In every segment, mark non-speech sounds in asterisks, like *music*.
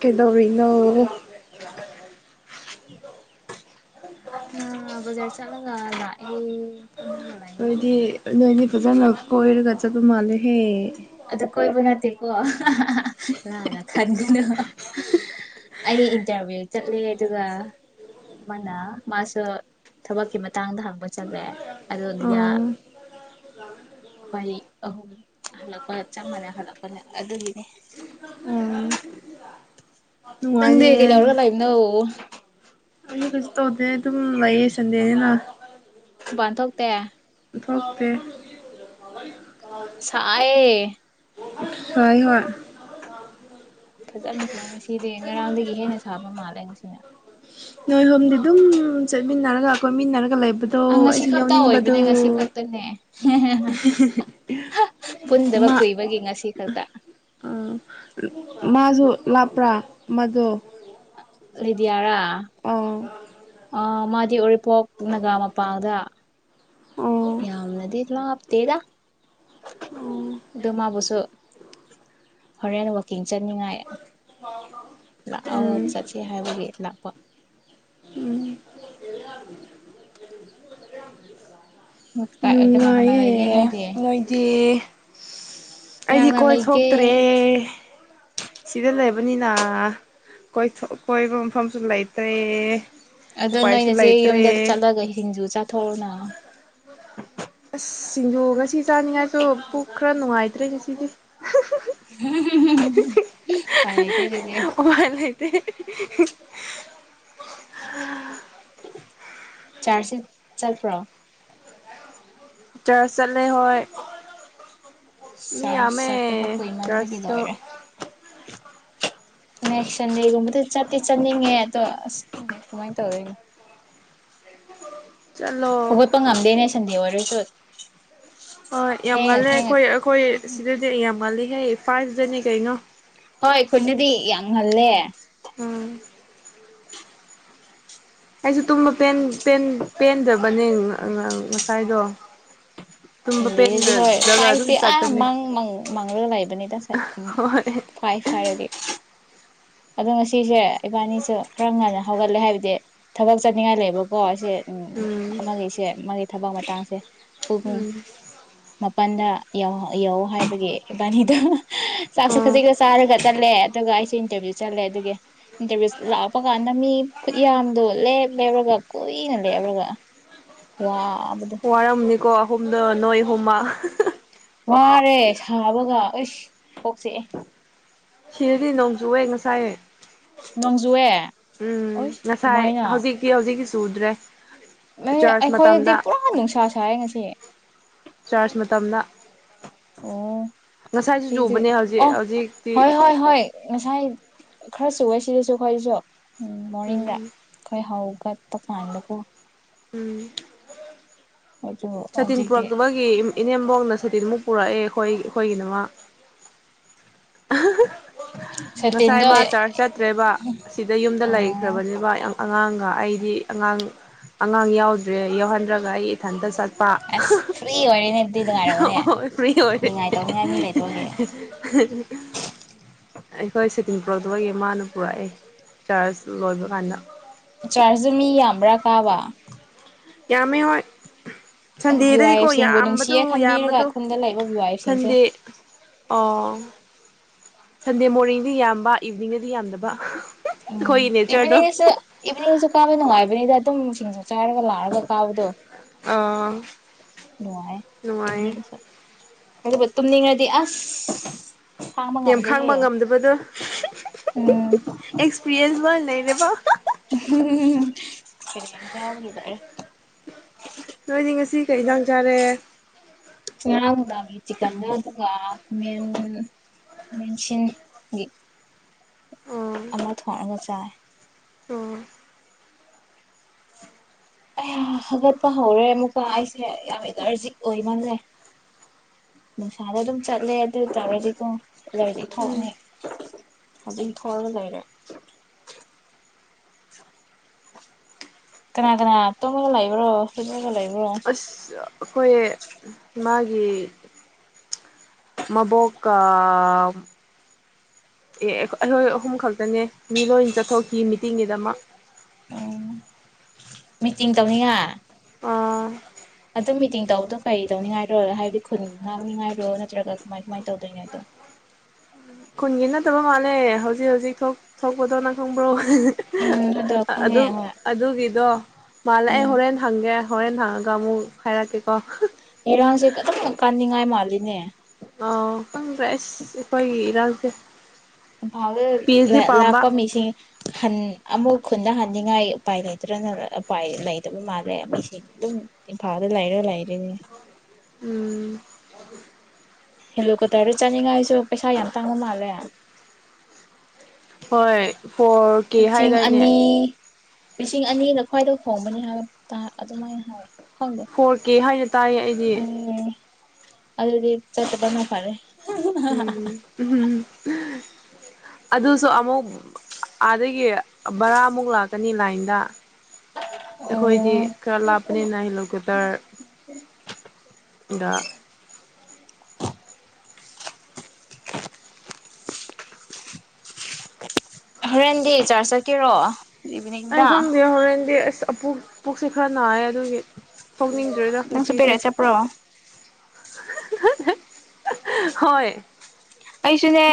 ꯀꯩꯗꯣ ꯔꯤ ꯅꯣ ꯍꯥ ꯕꯥꯖꯥ꯭ꯔ ꯆꯠꯂꯒ ꯂꯥꯛꯑꯦ ꯐꯝꯃꯒ ꯂꯥꯛꯑꯦ ꯅꯣꯏꯗꯤ ꯑꯗꯨ ꯃꯥꯅꯤ ꯍꯦ ꯑꯗ ꯀꯣꯏꯕꯨ ꯅꯠꯇꯦꯀꯣ ꯂꯥꯟꯅ ꯈꯟꯒꯅꯣ ꯑꯩ ꯏꯟꯇꯔꯚꯤꯌꯨ ꯆꯠꯂꯦ ꯑꯗꯨꯒ ꯑꯃꯅ ꯃꯥꯁꯨ ꯊꯕꯛꯀꯤ ꯃꯇꯥꯡꯗ ꯍꯪꯕ ꯆꯠꯂꯦ ꯑꯗꯣ ꯑ ꯂꯤꯗ ꯑꯣ ꯈꯣꯏ ꯑꯍꯨꯝ ꯍꯜꯂꯛ ꯆꯞ ꯃꯥꯟꯅꯩ ꯍꯜꯂꯛꯄꯅꯦ ꯑꯗꯨꯒꯤꯅꯦ ꯅꯪ ꯗꯦ ꯅꯨꯡꯉꯥꯏꯅꯦ ꯀꯩꯗꯧꯔꯒ ꯂꯩꯥꯕ ꯅꯣ ꯑꯩ ꯀꯖꯤ ꯇꯧꯗꯦ ꯑꯗꯨꯝ ꯂꯩꯌꯦ ꯁꯟꯗꯦꯅꯤꯅ ꯃꯄꯥꯟꯊꯣꯛꯇꯦ ꯑꯣ ꯑꯦ ꯁꯥꯢꯑꯦ *inaudible* ꯍꯣꯏ ꯍꯣꯏ ꯐꯖꯅ ꯉꯁꯤꯗꯤ ꯉꯔꯥꯡꯗꯒꯤ ꯍꯦꯟꯅ ꯁꯥꯕ ꯃꯥꯜꯂꯦ *unintelligible* ꯅꯣꯏ ꯍꯣꯝꯗꯤ ꯑꯗꯨꯝ ꯆꯠꯃꯤꯟꯅꯔꯒ ꯀꯣꯏꯃꯤꯟꯅꯔꯒ ꯂꯩꯕ ꯑ ꯉꯁꯤ ꯈꯛꯇ ꯑꯣꯏꯕꯅꯦ ꯉꯁꯤ ꯈꯛꯇꯅꯦ *unintelligible* ꯄꯨꯟꯗꯕ ꯃꯥ ꯀꯨꯏꯕꯒꯤ ꯉꯁꯤ ꯈꯛꯇ ꯑꯥ ꯃꯥꯁꯨ ꯂꯥꯞꯄ꯭ꯔꯥ ꯃꯗꯣ ꯂꯩꯗꯌꯔꯥ ꯑꯥ ꯑꯣ ꯃꯥꯗꯤ *unintelligible* ꯄꯛꯅꯒ ꯃꯄꯥꯟꯗ ꯑꯣ ꯌꯥꯝꯅꯗꯤ ꯂꯥꯞꯇꯦꯗ ꯎꯝ ꯑꯗꯨ ꯃꯥꯕꯨꯁꯨ ꯍꯣꯔꯦꯟ ꯋꯥꯀꯤꯡ ꯆꯅꯤꯡꯉꯥꯏ ꯂꯥꯛꯑꯣ ꯆꯠꯁꯤ ꯍꯥꯏꯕꯒꯤ ꯂꯥꯛꯄ ꯎꯝ ꯀꯅꯥ ꯀꯅꯥ ꯅꯨꯡꯉꯥꯏꯌꯦ ꯂꯩꯒꯦ ꯅꯣꯏꯗꯤ ꯅꯣꯏꯗꯤ ꯀꯅꯥ ꯑꯩꯗꯤ ꯀꯅꯥ ꯀꯣꯏ ꯂꯩꯒꯦ ꯊꯣꯛꯇ꯭ꯔꯦ ꯁꯤꯗ ꯂꯩꯕꯅꯤꯅ ꯀꯣꯏꯕ ꯃꯐꯝꯁꯨ ꯂꯩꯇ꯭ꯔꯦ ꯑꯗꯣ ꯎꯄꯥꯏꯁꯨ ꯅꯣꯏꯅꯁꯦ ꯌꯨꯝꯗ ꯂꯩꯇ꯭ꯔꯦ ꯆꯠꯂꯒ ꯁꯤꯡꯖꯨ ꯆꯥꯊꯣꯛꯅ ꯑꯁ ꯁꯤꯡꯖꯣ ꯉꯁꯤ ꯆꯥꯅꯤꯡꯉꯥꯏꯁꯨ ꯄꯨꯛ ꯈꯔ ꯅꯨꯡꯉꯥꯏꯇ꯭ꯔꯦ ꯉꯁꯤꯗꯤ ꯎꯄꯥꯏ ꯂꯩꯇꯦ ꯑꯗꯨꯗꯤ *unintelligible* *unintelligible* ꯆꯔꯁꯤꯠ ꯆꯠꯄ꯭ꯔꯣ ꯆꯁ ꯆꯠꯂꯦ *unintelligible* ꯍꯣꯏ ꯃꯤ ꯆꯥꯔꯖ ꯌꯥꯃꯦ ꯆꯠꯇꯕ ꯀꯨꯏꯃꯟꯕꯒꯤ ꯆꯁꯨ *unintelligible* ꯆꯟꯗꯦꯒꯨꯝꯕꯗꯨ ꯆꯠꯤ ꯆꯇ꯭ ꯅꯤꯉꯦ ꯑꯗꯣ ꯎꯏ ꯈꯪꯗꯦ ꯀꯃꯥꯏꯅ ꯇꯧꯗꯣꯏꯅꯣ ꯆꯠꯂꯣ ꯍꯧꯒꯠꯄ ꯉꯝꯗꯦꯅꯦ ꯁꯟꯗꯦ ꯑꯣꯏꯔꯁꯨ ꯍꯣꯏ ꯌꯥꯝ ꯊꯦꯡꯉ ꯉꯂꯦ ꯊꯦꯡꯉ ꯑꯩꯈꯣꯏ ꯑꯩꯈꯣꯏ ꯁꯤꯗꯗꯤ ꯌꯥꯝ ꯉꯜꯂꯤ *unintelligible* ꯀꯩꯩꯅꯣ ꯍꯣꯏ ꯈꯨꯟꯗꯥꯗꯤ ꯌꯥꯝ ꯉꯥꯂꯦ ꯎꯝ ꯑꯩꯁꯨ ꯇꯨꯝꯕ ꯄꯦꯟ ꯄꯦꯟ ꯄꯦꯟꯗꯕꯅꯦ ꯉꯁꯥꯏꯗꯣ ꯇꯨꯝꯕ ꯁꯥꯟꯗꯦꯗꯗꯤ ꯍꯣꯏ ꯄꯦꯟꯗ꯭ꯔꯒ ꯑꯗꯨꯝ ꯐꯥꯏꯕꯇꯤ ꯑꯥ ꯆꯠꯄꯅꯦ ꯃꯥꯡ ꯃꯥꯡꯂꯒ ꯂꯩꯕꯅꯤꯗ ꯉꯥꯁꯥꯏ ꯍꯣꯏ ꯐꯥꯏꯕ ꯍꯥꯏꯔꯗꯤ ꯑꯗꯣ ꯉꯁꯤꯁꯦ ꯏꯕꯥꯅꯤꯁꯦ ꯈꯔ ꯉꯟꯅ ꯍꯧꯒꯠꯂꯦ ꯍꯥꯏꯕꯗꯤ ꯊꯕꯛ ꯆꯠꯅꯤꯉꯥꯏ ꯂꯩꯕꯀꯣ ꯑꯁꯤ ꯎꯝ ꯑꯥꯃꯥꯒꯤꯁꯦ ꯃꯥꯒꯤ ꯊꯕꯛ ꯃꯇꯥꯡꯁꯦ ꯄꯨꯡ ꯎꯝ ꯃꯥꯄꯜꯗ ꯌꯥꯧ ꯍꯥꯏꯕꯒꯤ ꯏꯕꯥꯅꯤꯗꯣ ꯆꯥꯛꯁꯨꯦ ꯑꯣ ꯈꯖꯤꯛꯛꯇ ꯆꯥꯔꯒ ꯇꯠꯂꯦ ꯑꯗꯨꯒ ꯑꯩꯁꯨꯦ ꯏꯟꯇꯔꯚꯤꯌꯨ ꯆꯠꯂꯦ ꯑꯗꯨꯒꯤ ꯏꯟꯇꯔꯚꯤꯨ ꯂꯥꯛꯄ ꯀꯥꯟꯗ ꯃꯤ ꯈꯨꯠ ꯌꯥꯝꯗꯣ ꯂꯦꯞ ꯂꯦꯞꯔꯒ ꯀꯨꯏꯅ ꯂꯦꯞꯔꯒ ꯀ ꯋꯥꯔꯝꯅꯤꯀꯣ ꯍꯣꯨꯝꯅ ꯅꯣꯏ ꯍꯣ ꯋꯥꯔꯦ ꯁꯥꯕꯒ ꯑꯩꯁ ꯄꯣꯛꯆꯦꯑꯦ ꯁꯤꯔꯗꯤ ꯅꯣꯡꯆꯨꯦ ꯉꯁꯥꯏ ꯅꯣꯡꯖꯨꯑꯦ ꯎꯝ ꯍꯁ ꯉꯁꯥꯏ ꯀꯃꯥꯏꯅ ꯍꯧꯖꯤꯛꯇꯤ ꯍꯧꯖꯤꯛꯇꯤ ꯆꯨꯗ꯭ꯔꯦ ꯆꯔꯆ ꯑꯩꯈꯣꯏꯗꯗꯤ ꯃꯇꯝꯗ ꯄꯨꯔꯥ ꯅꯨꯡꯁꯥ ꯁꯥꯏ ꯉꯁꯤ ꯆꯥꯔꯖ ꯃꯇꯝꯅ ꯑꯣ ꯁꯤꯖꯦ ꯆꯨꯕꯅꯦ ꯍꯧꯖꯤꯛ ꯑꯣ ꯍꯧꯖꯤꯛꯇꯤ ꯍꯣꯏ ꯍꯣꯏ ꯍꯣꯌ ꯉꯥꯁꯥꯏ ꯈꯔ ꯁꯨꯋꯦ ꯁꯤꯗꯁꯨ ꯑꯩꯈꯣꯏꯁꯨ ꯎꯝ ꯃꯣ꯭ꯔꯅꯤꯡꯡꯗ ꯎꯝ ꯑꯩꯈꯣꯏ ꯍꯧ ꯈꯔꯥ ꯇꯣꯡ ꯉꯥꯟ ꯅꯥꯀꯣ ꯎꯝ ꯑꯗꯨ ꯁꯥꯇꯤꯟ ꯍꯧꯖꯤꯛꯇꯤ ꯄꯨꯔꯛꯇꯕꯒꯤ ꯏꯅꯦꯝꯕꯣꯛꯅ ꯁꯥꯇꯤꯟꯃꯨꯛ ꯄꯨꯔꯛꯑꯦ ꯑꯩꯈꯣꯏ ꯈꯣꯏꯒꯤꯅꯃ ꯑꯍꯥ ꯍꯥ ꯉꯁꯥꯏ ꯁꯇꯤꯟꯗꯣ ꯃꯥ ꯆ꯭ꯔꯆ ꯆꯠꯇ꯭ꯔꯦꯕ ꯁꯤꯗ ꯌꯨꯝꯗ ꯑꯣ ꯂꯩꯈ꯭ꯔꯕꯅꯦꯕ ꯌꯥꯝ ꯑꯉꯥꯡꯒ ꯑꯩꯗꯤ ꯑꯉꯥꯡ ꯑꯉꯥꯡ ꯌꯥꯎꯗ꯭ꯔꯦ ꯌꯥꯎꯍꯟꯗ꯭ꯔꯒ ꯑꯩ ꯏꯊꯟꯇꯁꯨ ꯆꯠꯄ ꯑꯁ ꯐ꯭ꯔꯤ ꯑꯣꯏꯔꯦꯅꯦ ꯑꯗꯨꯗꯤ ꯅꯨꯡꯉꯥꯏꯔꯝꯒꯅꯦ ꯍꯣꯏ ꯐ꯭ꯔꯤ ꯑꯣꯏꯔꯦ ꯅꯤꯡꯉꯥꯏ ꯇꯧꯅꯤꯡꯉꯥꯏ ꯃꯤ ꯂꯩꯇꯕꯒꯤ ꯑꯩꯈꯣꯏ ꯁꯇꯤꯟ ꯄꯨꯔꯣꯛꯛꯇꯕꯒꯤ ꯃꯥꯅ ꯄꯨꯔꯛꯑꯦ ꯆꯥ꯭ꯔꯖ ꯂꯣꯏꯕ ꯀꯥꯟꯗ ꯆ꯭ꯔꯖ ꯖꯨ ꯃꯤ ꯌꯝꯕ꯭ꯔꯥ ꯀꯥꯕ ꯌꯥꯝꯃꯦ ꯍꯣꯏ ꯑꯁ ꯕꯤ ꯋꯥꯏ ꯁꯟꯗꯦꯗꯗꯤꯀꯣ ꯑꯦꯐ ꯁꯤꯡꯕꯨ ꯌꯥꯝꯕꯗꯣ ꯅꯨꯡꯁꯤꯌꯦ ꯈꯟꯕꯤꯔꯒ ꯌꯥꯝꯕꯗꯣ ꯈꯨꯟꯗ ꯂꯩꯕ ꯕꯤ ꯋꯥꯏ ꯑꯦꯐ ꯁꯤꯡꯁꯦ ꯁꯟꯗꯦ ꯑꯣ ꯁꯟꯗꯦ ꯃꯣꯔꯅꯤꯡꯗꯤ ꯌꯥꯝꯕ ꯏꯚꯅꯤꯡꯗꯗꯤ ꯌꯥꯝꯗꯕ ꯎꯝ ꯑꯩꯈꯣꯏꯒꯤ ꯅꯦꯆꯔꯗꯣ ꯏꯕꯤꯅꯤꯡ ꯁꯨ ꯏꯕꯤꯅꯤꯡ ꯁꯨ ꯀꯥꯕ ꯅꯨꯡ ꯉꯥꯏꯕꯅ‌ꯦꯗ ꯃꯇꯝ ꯁꯤꯡꯁꯨ ꯆꯥꯏꯔꯒ ꯂꯥꯛꯑꯒ ꯐꯥꯎꯗꯣ ꯑꯥ ꯅꯅꯨꯡꯉꯥꯏ ꯅꯨꯡꯉꯥꯏꯌꯦ ꯑꯗꯨ ꯇꯨꯝꯅꯤꯡꯉꯗꯤ ꯑꯁ ꯍꯥꯡꯕ ꯌꯥꯝ ꯈꯥꯡꯕ ꯉꯝꯗꯦꯍꯦ ꯉꯝꯗꯕꯗꯣ ꯎꯝ ꯄ꯭ꯌꯦꯁꯕ ꯂꯩꯅꯦ ꯄ ꯎꯝꯕꯒꯦꯗꯔꯦ ꯅꯣꯏꯗꯤ ꯉꯁꯤ ꯀꯩ ꯏꯟꯖꯥꯡ ꯆꯥꯔꯦ ꯉꯔꯥꯡ ꯅꯨꯡꯗꯥꯡꯒꯤ ꯆꯤꯛꯀꯟꯗ ꯑꯗꯨꯒ ꯈꯃꯦꯟ ꯈꯥꯃꯦꯟꯁꯤꯟꯒꯤ ꯑꯣ ꯑꯃ ꯊꯣꯡꯉꯒ ꯆꯥꯏ ꯑꯣ ꯀꯌꯥ ꯍꯥꯒꯠꯄ ꯍꯧꯔꯦ ꯑꯃꯨꯛꯀ ꯑꯩꯁꯦ ꯌꯥꯝ ꯏꯂꯔꯖꯤꯛ ꯑꯣꯏꯃꯜꯂꯦ ꯅꯨꯡꯁꯥꯗ ꯑꯗꯨꯝ ꯆꯠꯂꯦ ꯑꯗꯨ ꯑꯣꯏꯇꯥꯔꯗꯤꯀꯣ ꯂꯩꯗꯤ ꯊꯣꯛꯅꯤ ꯎꯝ ꯑꯗꯨꯝ ꯊꯒ ꯂꯩꯔꯦ ꯀꯅꯥ ꯀꯅꯥ ꯇꯣꯃꯒ ꯂꯩꯕ꯭ꯔꯣ ꯁꯤꯒ ꯂꯩ ꯑꯁ ꯑꯩꯈꯣꯏ ꯃꯥꯒꯤ ꯃꯕꯣꯛ ꯑꯦ ꯑꯩꯈꯣꯏ ꯑꯍꯨꯝ ꯈꯛꯇꯅꯦ ꯃꯤ ꯂꯣꯏ ꯆꯠꯊꯣꯛꯈꯤ ꯃꯤꯇꯤꯡꯒꯤꯗꯃꯛ ꯎꯝ ꯃꯤꯇꯤꯡ ꯇꯧꯅꯤꯉꯥꯏ ꯑꯥ ꯑꯗꯨꯝ ꯃꯤꯇꯤꯡ ꯇꯧꯕꯗꯣ ꯀꯩ ꯇꯧꯅꯤꯉꯥꯏꯔꯣ ꯍꯥꯏꯕꯗꯤ ꯈꯨꯟ ꯉꯥꯡꯅꯤꯉꯥꯏꯔꯣ ꯅꯠꯇ꯭ꯔꯒ ꯀꯃꯥꯏ ꯀꯃꯥꯏ ꯇꯧꯗꯣꯏꯅꯣ ꯑꯗꯣ ꯈꯨꯟꯒꯤ ꯅꯠꯇꯕ ꯃꯥꯜꯂꯦ ꯍꯧꯖꯤꯛ ꯍꯧꯖꯤꯛ ꯊꯣꯛꯄꯗꯣ ꯅꯪ ꯈꯣꯡꯕ꯭ꯔꯣ ꯎꯝ ꯑꯗꯣ ꯈꯪꯉꯦ ꯑꯗꯨ ꯍꯣꯏ ꯑꯗꯨꯒꯤꯗꯣ ꯃꯥꯂꯑ ꯎꯝ ꯍꯣꯔꯦꯟꯦꯟ ꯍꯪꯦ ꯍꯅꯒ ꯃꯨ ꯐꯥꯏꯔꯥ ꯀꯦꯀꯣ ꯏꯔꯥꯡꯁꯦ ꯈꯤꯇꯪ ꯀꯥꯅꯤꯡꯉꯥꯏ ꯃꯥꯜꯂꯤꯅꯦ ꯑ ꯈꯪꯗ꯭ꯔꯦ ꯑꯁ ꯑꯩꯈꯣꯏꯒꯤ ꯏꯔꯥꯡꯁꯦ ꯏꯝꯐꯥꯎꯗ ꯄꯤ ꯑꯩꯆ ꯗꯤ ꯄꯥꯝꯕ ꯂꯥꯛꯄ ꯃꯤꯁꯤꯡ ꯍꯟ ꯑꯃꯨꯛ ꯈꯨꯟꯗ ꯍꯟꯅꯤꯡꯉꯥꯏ ꯎꯄꯥꯏ ꯂꯩꯇ꯭ꯔꯅ ꯎꯄꯥꯏ ꯂꯩꯇꯕ ꯃꯥꯜꯂꯦ ꯃꯁꯤꯡ ꯑꯗꯨꯝ ꯏꯝꯐꯥꯜꯗ ꯂꯩꯔꯣꯏ ꯂꯩꯔꯤꯅꯦ ꯎꯝ ꯍꯦꯜꯂꯣ ꯀꯇꯔ ꯆꯥꯅꯤꯡꯉꯥꯏꯁꯨ ꯄꯩꯁꯥ ꯌꯥꯝ ꯇꯥꯡꯕ ꯃꯥꯜꯂꯦ ꯍꯣꯏ ꯐꯣꯔ ꯀꯦ ꯂꯤꯁꯤꯡ ꯍꯥꯏꯗꯥꯏꯅꯦ ꯑꯅꯤ ꯂꯤꯁꯤꯡ ꯑꯅꯤꯅ ꯈ꯭ꯋꯥꯏꯗ ꯍꯣꯡꯕꯅꯤ ꯍꯥꯏꯕ ꯑꯗꯨꯃꯥꯏꯅ ꯍꯥꯏꯋꯦ ꯐꯣꯔ ꯀꯦ ꯍꯥꯏꯅ ꯇꯥꯔꯦ ꯑꯩꯗꯤ ꯑꯩ ꯑꯗꯨꯗꯤ ꯆꯠꯠꯇꯄꯅ ꯐꯔꯦ ꯎꯝ ꯑꯗꯨꯁꯨ ꯑꯃꯨꯛ ꯑꯥꯗꯒꯤ ꯕꯔꯥꯃꯨꯛ ꯂꯥꯛꯀꯅꯤ ꯂꯥꯏꯟꯗ ꯑꯣ ꯑꯩꯈꯣꯏꯗꯤ ꯈꯔ ꯂꯥꯞꯄꯅꯤꯅ ꯍꯦꯂꯤꯀꯣꯞꯇꯔ ꯗ ꯍꯣꯔꯦꯟꯗꯤ ꯆꯥꯔꯖ ꯆꯠꯀꯦꯔꯣ ꯑꯩ ꯏꯚꯤꯅꯤꯡꯗ ꯈ ꯍ ꯍꯔꯦꯟꯗꯤꯁ ꯣꯛ ꯄꯨꯛꯁꯦ ꯈꯔ ꯅꯥꯏꯌꯦ ꯑꯗꯨꯒꯤ ꯊꯣꯛꯅꯤꯡꯗ꯭ꯔꯦꯗ ꯅꯪꯁꯨ ꯉꯁꯤꯁꯦ ꯄꯦꯔ ꯆꯦꯄ꯭ꯔꯣ ꯍꯣꯏ ꯀꯩꯁꯨꯅꯦ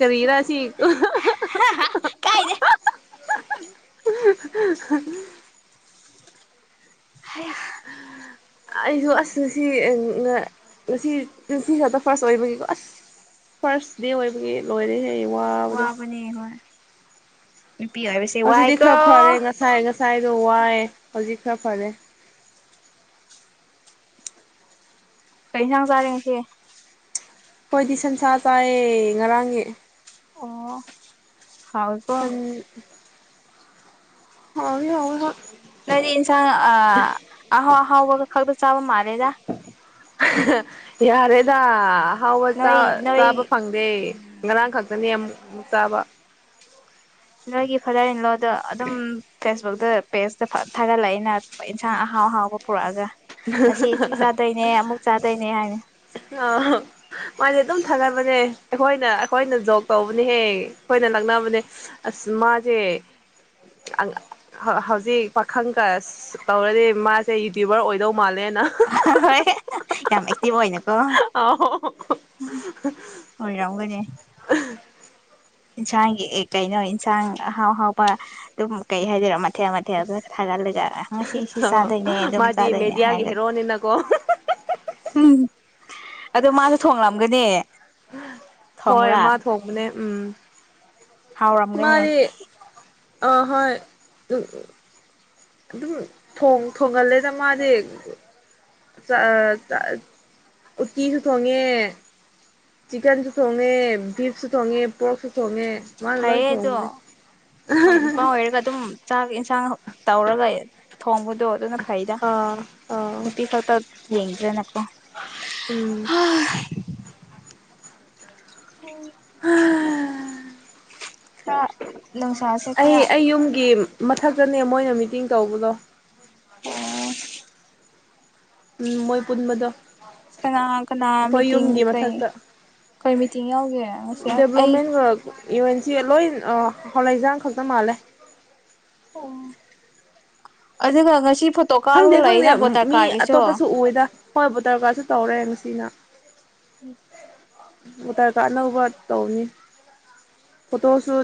ꯀꯔꯤꯔꯁꯤ *inaudible* ꯀꯥꯏꯗ *inaudible* ꯍ ꯑꯩꯁꯨ ꯑꯁ ꯉꯁꯤ ꯉꯁꯤꯁꯤ ꯈꯇ ꯐꯥꯔꯁ ꯑꯣꯏꯕꯒꯤꯀꯣ ꯑꯁ ꯐꯥꯔꯁ ꯗꯦ ꯑꯣꯏꯕꯒꯤ ꯂꯣꯏꯔꯦ ꯍꯡ ꯋꯥꯕꯅꯤ ꯍꯣꯏ ꯅꯨꯄꯤ ꯍꯥꯏꯕꯁꯦ ꯋꯥꯏ ꯀ ꯁꯥꯏꯗꯣ ꯋꯥꯑꯦ ꯍꯧꯖꯤꯛ ꯈꯔ ꯐꯔꯦ ꯀꯩ ꯌꯦꯟꯁꯥꯡ ꯆꯥꯔꯤꯉꯁꯦ ꯍꯣꯏꯗꯤ ꯁꯟꯁꯥ ꯇꯥꯏꯌꯦ ꯉꯔꯥꯡꯒꯤ ꯑꯣ ꯍꯥꯎꯋꯦꯀꯣ ꯎꯝ ꯍꯧꯢ ꯍꯧꯏ ꯍ ꯅꯗꯤ ꯏꯟꯁꯥꯡ ꯑ ꯑꯍꯣ ꯍꯥꯎ ꯋꯥ ꯈꯔꯗ ꯆꯥꯕ ꯃꯥꯔꯦꯗ ꯌꯥꯔꯦꯗꯥ ꯑꯍꯥꯎꯕ ꯅꯣꯏ ꯆꯥꯕ ꯅꯣꯏ ꯐꯪꯗꯦ ꯉꯔꯥꯡ ꯈꯛꯇꯅꯦ ꯑꯃꯨꯛ ꯎꯝ ꯆꯥꯕ ꯅꯣꯏꯒꯤ ꯐꯥꯗꯔ ꯏꯜꯂꯣ ꯑꯗꯨꯝ ꯐꯦꯁ ꯄꯦꯁꯇ ꯊꯥꯒꯠꯂꯛ ꯑꯏꯅ ꯍꯣꯏ ꯏꯟꯁꯥꯡ ꯑꯍꯥꯎ ꯑꯍꯥꯎꯕ ꯄꯨꯔꯛꯑꯒ ꯉꯁꯤ ꯁꯤ ꯆꯥꯗꯣꯏꯅꯦ ꯑꯃꯨꯛ ꯆꯥꯗꯣꯏꯅꯦ ꯍꯥꯏꯅꯤ ꯃꯥꯁꯦ ꯑꯗꯨꯝ ꯊꯥꯒꯠꯅꯕꯅꯦ ꯑꯩꯈꯣꯏꯅ ꯑꯩꯈꯣꯏꯅ ꯖꯣꯕ ꯇꯧꯕꯅꯦꯍꯦ ꯑꯩꯈꯣꯏꯅ ꯂꯛꯅꯕꯅꯦ ꯑꯁ ꯃꯥꯁꯦ ꯍꯧꯖꯤꯛ ꯄꯥꯈꯪꯒ ꯇꯧꯔꯗꯤ ꯃꯥꯁꯦ ꯌꯨꯇ꯭ꯌꯨꯕꯔ ꯑꯣꯏꯗꯧ ꯃꯥꯜꯂꯦꯅ ꯍꯣꯏ ꯌꯥꯝ ꯑꯦꯛꯇꯤꯚ ꯑꯣꯏꯅ ꯑꯣꯏꯅ ꯀ ꯑ ꯍꯣꯏ ꯔꯝꯒꯅꯦ ꯏꯟꯁꯥꯡꯒꯤ ꯑꯦ ꯀꯩꯅꯣ ꯏꯟꯁꯥꯡ ꯑꯍꯥꯎꯍꯥꯎꯕ ꯑꯗꯨꯝ ꯀꯩ ꯍꯥꯏꯗꯣꯏꯔꯣ ꯃꯊꯦꯜ ꯃꯊꯦꯜ ꯑꯗꯨ ꯊꯥꯒꯠꯂꯒ ꯉꯁꯤꯁꯤ ꯑ ꯆꯥꯗꯣꯏꯅꯦ ꯑꯗꯨꯝ ꯃꯥꯗꯤ ꯆꯥꯗꯣꯏꯅꯦ ꯍꯥꯏ ꯃꯦꯗꯤꯌꯥꯒꯤ ꯔꯒ ꯍꯦꯔꯣꯅꯤꯅꯀꯣ ꯑꯗꯣ ꯃꯥꯁꯨ ꯊꯣꯡꯂꯝꯒꯅꯤ ꯍꯣꯏ ꯊꯣꯡꯕ꯭ꯔꯥ ꯃꯥꯥꯛ ꯊꯣꯡ ꯕꯅꯦ ꯎꯝ ꯍꯥꯎꯔꯝꯒꯅꯦ ꯃꯥꯗꯤ ꯑ ꯍꯣꯏ ꯑꯗꯨꯝ ꯊꯣꯡꯒꯜꯂꯦꯗ ꯃꯥꯗꯤ ꯎꯇꯤꯁꯨ ꯊꯣꯡꯉꯦ ꯆꯤꯛꯀꯟꯁꯨ ꯊꯣꯡꯉꯦ ꯕꯤꯐꯁꯨ ꯊꯣꯡꯉꯦ ꯄꯣꯔꯣꯛꯁꯨ ꯊꯣꯡꯉꯦ ꯃꯥꯅ ꯂꯣꯏ ꯐꯌꯦ ꯑꯗꯨꯣ ꯊꯣꯡꯕꯅꯦ ꯍꯣꯏ ꯅꯨꯄꯥꯥꯎ ꯑꯣꯏꯔꯒ ꯑꯗꯨꯝ ꯆꯥꯛ ꯏꯟꯁꯥꯡ ꯇꯧꯔꯒ ꯊꯣꯡꯕꯗꯣ ꯑꯗꯨꯅ ꯐꯩꯗ ꯑꯥ ꯑꯥ ꯎꯇꯤ ꯈꯛꯇ ꯌꯦꯡꯒꯦ ꯑꯗꯨꯅ ꯎꯝ ꯍ ꯍ ꯑ ꯑꯩ ꯑꯩ ꯌꯨꯝꯒꯤ ꯃꯊꯛꯇꯅꯦ ꯃꯣꯏꯅ ꯃꯤꯇꯤꯡ ꯇꯧꯕꯗꯣ ꯑꯣ ꯎꯝ ꯃꯣꯏ ꯄꯨꯟꯕꯗꯣ ꯀꯅꯥ ꯀꯅꯥ ꯑꯩꯈꯣꯏ ꯃꯤꯇꯤꯡ ꯌꯨꯝꯒꯤ ꯀꯩ ꯃꯊꯛꯇ ꯀꯩ ꯃꯤꯇꯤꯡ ꯌꯥꯎꯒꯦ ꯉꯁꯤ ꯑꯩ ꯏꯟꯁꯤ ꯂꯣꯏ ꯍꯂꯏꯖꯥꯡ ꯈꯛꯇ ꯃꯥꯜꯂꯦ ꯑꯣ ꯑꯗꯨ ꯍꯉꯁꯤ ꯈꯪꯗꯦ ꯈꯪꯗꯦ ꯃꯤ ꯑꯇꯣꯞꯄꯁꯨ ꯎꯗ ꯍꯣꯏꯕꯨ ꯇꯔꯀꯥꯁꯨ ꯇꯧꯔꯛꯑꯦ ꯃꯁꯤꯅ ꯎꯝ ꯕꯣꯇꯥꯔ ꯀꯥꯔꯗ ꯑꯅꯧꯕ ꯇꯧꯅꯤ ꯐꯣꯇꯣꯁꯨ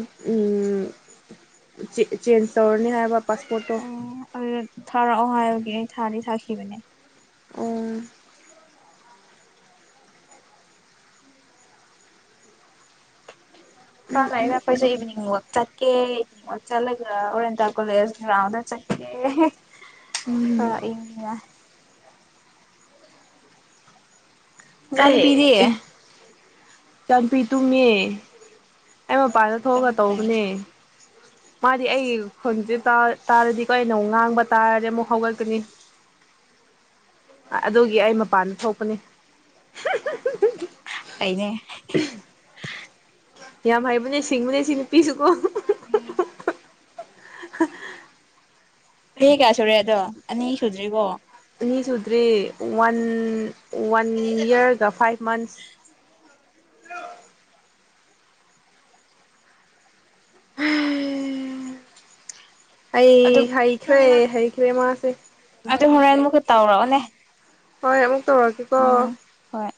ꯆꯦꯟꯖ ꯇꯧꯔꯅꯤ ꯍꯥꯏꯕ ꯄꯥꯁꯄꯣꯔꯠꯇꯣ ꯑꯣ ꯑꯗꯨ ꯊꯥꯔꯛꯑꯣ ꯍꯥꯏꯔꯒꯦ ꯊꯥꯗꯤ ꯁꯥꯥꯈꯤꯕꯅꯦ ꯑꯣ ꯍ ꯂꯥꯏꯒꯈꯣꯏꯁꯁꯨ ꯏꯚꯅꯤꯡ ꯋꯥꯛ ꯆ ꯀꯦ ꯆꯠꯂꯒ ꯑꯣꯔꯦꯟꯇꯥ ꯀꯣꯂꯦꯖ ꯒ꯭ꯔꯥꯎꯟꯗ ꯆꯠꯀꯦ ꯑ ꯎꯝ ꯏ ꯃꯆꯥꯅꯨꯄꯤꯗꯤ ꯇꯥꯟꯄꯤ ꯇꯨꯝꯃꯦ ꯑꯩ ꯃꯄꯥꯟꯗ ꯊꯣꯛꯑꯒ ꯇꯧꯕꯅꯦ ꯃꯥꯗꯤ ꯑꯩ ꯈꯨꯟꯁꯦ ꯇꯥꯔꯗꯤꯀꯣ ꯑꯩꯅ ꯑꯃꯨꯛ ꯉꯥꯡꯕ ꯇꯥꯔꯗꯤ ꯑꯃꯨꯛ ꯍꯧꯒꯠꯀꯅꯤ ꯑꯗꯨꯒꯤ ꯑꯩ ꯃꯄꯥꯟꯗ ꯊꯣꯛꯄꯅꯤ ꯑꯅꯦ ꯌꯥꯝ ꯍꯩꯕꯅꯦ ꯁꯤꯡꯕꯅꯦ ꯁꯤꯅꯨꯄꯤꯁꯦ ꯀꯣ ꯎꯝ *inaudible* ꯀꯔꯤ ꯀꯌꯥ ꯁꯨꯔꯦ ꯑꯗꯣ ꯑꯅꯤ ꯁꯨꯗ꯭ꯔꯤꯔꯤꯕꯣ ꯑꯅꯤ ꯁꯨꯗ꯭ꯔꯔꯤ ꯋꯥꯟ ꯋꯥꯟ ꯌꯔꯒ ꯐꯥꯏꯚ ꯃꯁ ꯑꯩ ꯑꯗꯨ ꯍꯩꯈ꯭ꯔꯦ ꯍꯩꯈ꯭ꯔꯦ ꯃꯥꯁꯦ ꯑꯗꯨ ꯍꯣꯔꯜ ꯑꯃꯨꯛ ꯇꯧꯔꯛꯑꯣꯅꯦꯦ ꯍꯣꯢ ꯑꯃꯨꯛ ꯇꯧꯔꯛꯀꯦꯀꯣ ꯍꯣꯏ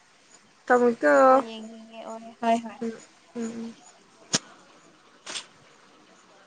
ꯇꯥꯃꯣꯀ ꯑꯩ ꯐꯣꯟ ꯌꯦꯡꯈꯤꯒꯦ ꯑꯣꯏ ꯍꯣꯏ ꯍꯣꯏ ꯎꯝ ꯎꯝ ꯎꯝ